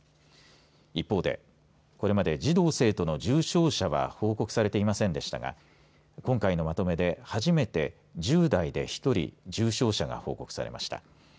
一方でこれまで児童生徒の重症者は報告されていませんでしたが今回のまとめで初めて１０代で１人重症者が報告されました。